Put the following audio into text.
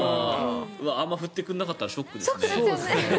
あまり振ってくれなかったらショックだな。